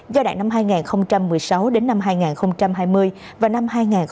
do đại năm hai nghìn một mươi sáu đến năm hai nghìn hai mươi và năm hai nghìn hai mươi một